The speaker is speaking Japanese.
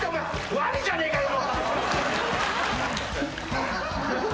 ワニじゃねえかよ。